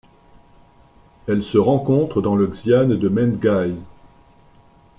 Elle se rencontre dans le xian de Menghai.